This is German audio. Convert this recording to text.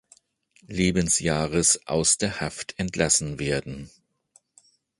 Lebensjahres aus der Haft entlassen werden.